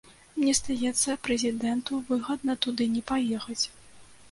Мне здаецца, прэзідэнту выгадна туды не паехаць.